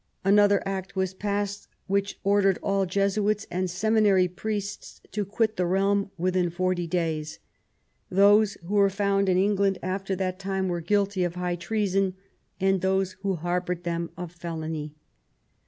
Another Act was passed which ordered all Jesuits and seminary priests to quit the realm within forty days ; those who were found in England after that time were guilty of high treason, and those who harboured them of felony.